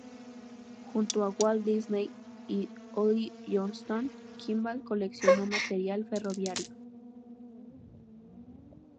Junto a Walt Disney y Ollie Johnston, Kimball coleccionó material ferroviario.